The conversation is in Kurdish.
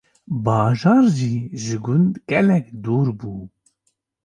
bajar jî ji gund gelek dûr bû.